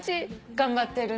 頑張ってるね。